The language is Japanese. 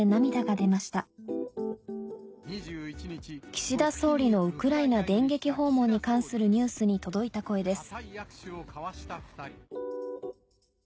岸田総理のウクライナ電撃訪問に関するニュースに届いた声です